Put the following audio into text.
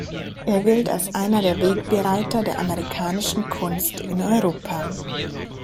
Er gilt als einer der Wegbereiter der amerikanischen Kunst in Europa.